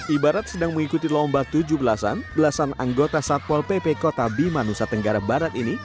ibarat sedang mengikuti lomba tujuh belas an belasan anggota satpol pp kota bima nusa tenggara barat ini